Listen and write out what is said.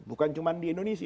bukan cuma di indonesia